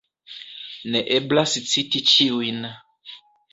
Neeblas citi ĉiujn.